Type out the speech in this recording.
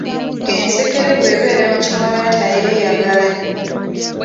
Ensekere bw’ebeera mu kiwalaata yeeyagala.